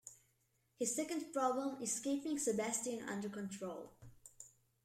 His second problem is keeping Sebastian under control.